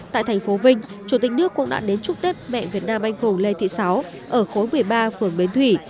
tại thành phố vinh chủ tịch nước cũng đã đến chúc tết mẹ việt nam anh hùng lê thị sáu ở khối một mươi ba phường bến thủy